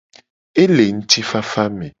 E le ngtifafa me.